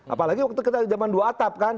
apalagi waktu kita zaman dua atap kan